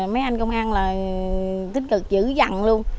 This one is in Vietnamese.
mấy anh công an là tích cực chữ dặn luôn